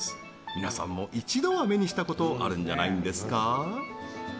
皆さんも一度は目にしたことあるんじゃないですか？